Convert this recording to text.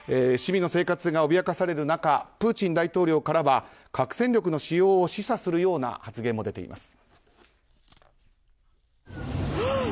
市民の生活が脅かされる中プーチン大統領からは核戦力の使用を示唆するような発言も出ています。